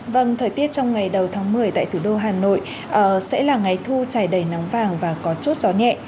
vâng thời tiết trong ngày đầu tháng một mươi tại thủ đô hà nội sẽ là ngày thu trải đầy nắng vàng và có chốt gió nhẹ